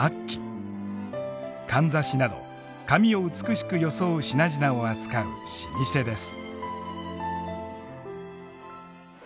かんざしなど髪を美しく装う品々を扱う老舗です。